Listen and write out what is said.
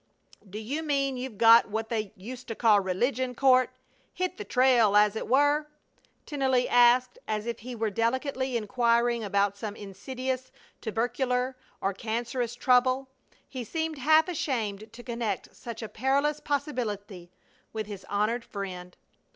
"Do you mean you've got what they used to call 'religion,' Court? 'Hit the trail,' as it were?" Tennelly asked as if he were delicately inquiring about some insidious tubercular or cancerous trouble. He seemed half ashamed to connect such a perilous possibility with his honored friend.